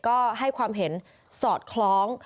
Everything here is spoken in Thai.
ก็ให้ความเห็นสอดคล้อง